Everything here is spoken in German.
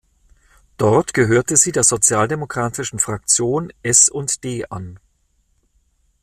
Dort gehörte sie der sozialdemokratischen Fraktion S&D an.